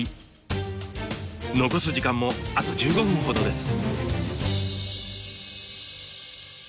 残す時間もあと１５分ほどです。